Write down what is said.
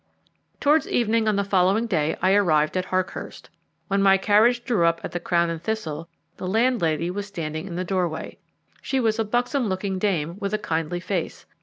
Towards evening on the following day I arrived at Harkhurst. When my carriage drew up at the Crown and Thistle, the landlady was standing in the doorway. She was a buxom looking dame, with a kindly face.